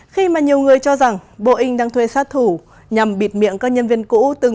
khi mà nhiều người cho rằng boeing đang thuê sát thủ nhằm bịt miệng các nhân viên cũ